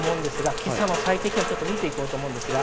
今朝の最低気温を見て行こうと思います。